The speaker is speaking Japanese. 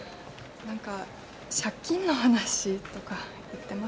何か借金の話とか言ってますよ。